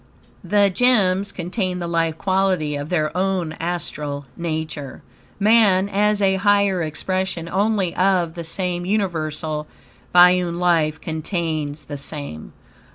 The gems contain the life quality of their own astral nature. Man, as a higher expression, only, of the same universal biune life, contains the same.